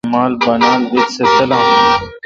دینگ خلق تانی مال بانال بیت سہ تلاں۔